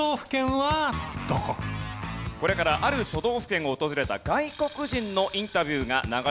これからある都道府県を訪れた外国人のインタビューが流れます。